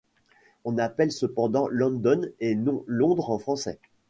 On l'appelle cependant London et non Londres en français.